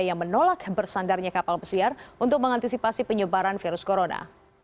yang menolak bersandarnya kapal pesiar untuk mengantisipasi penyebaran virus corona